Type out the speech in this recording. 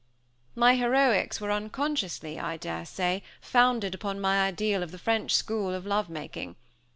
My heroics were unconsciously, I daresay, founded upon my ideal of the French school of lovemaking.